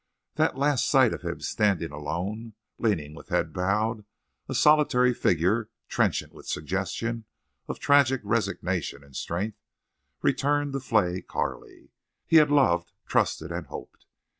That last sight of him standing alone, leaning with head bowed, a solitary figure trenchant with suggestion of tragic resignation and strength, returned to flay Carley. He had loved, trusted, and hoped.